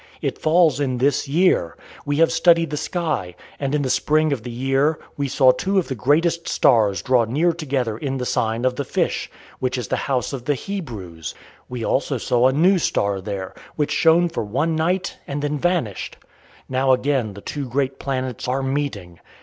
It falls in this year. We have studied the sky, and in the spring of the year we saw two of the greatest stars draw near together in the sign of the Fish, which is the house of the Hebrews. We also saw a new star there, which shone for one night and then vanished. Now again the two great planets are meeting.